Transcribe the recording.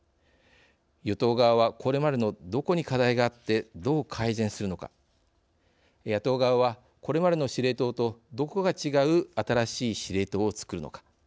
与党側は、これまでのどこに課題があって、どう改善するのか野党側は、これまでの司令塔とどこが違う新しい司令塔をつくるのか。